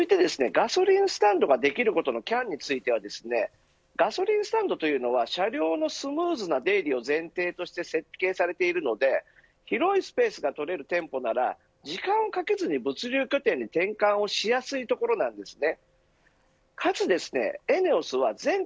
ガソリンスタンドができることのキャンについてはガソリンスタンドというのは車両のスムーズな出入りを前提として設計されているので広いスペースが取れる店舗なら時間をかけずに物流拠点に転換をしやすいところなんですね。